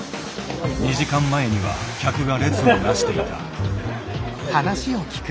２時間前には客が列をなしていた。